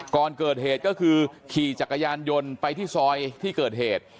ก่อนเกิดเหตุก็คือขี่จักรยานยนต์ไปที่ซอยที่เกิดเหตุ